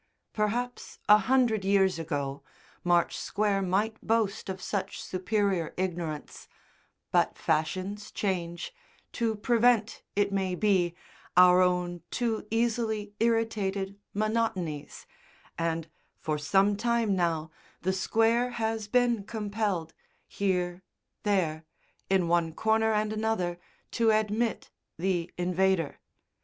Perhaps a hundred years ago March Square might boast of such superior ignorance, but fashions change, to prevent, it may be, our own too easily irritated monotonies, and, for some time now, the Square has been compelled, here, there, in one corner and another, to admit the invader.